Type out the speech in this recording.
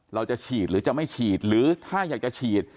เราจะฉีดหรือจะไม่ฉีดหรือถ้าอยากจะฉีด